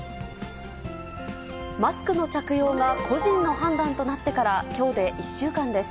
マスクの着用が個人の判断となってから、きょうで１週間です。